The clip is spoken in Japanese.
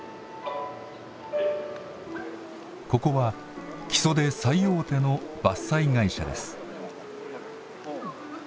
ここは木曽で最大手の伐採会社です。